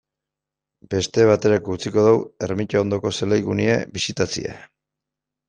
Beste baterako utziko dugu ermita ondoko zelaigunea bisitatzea.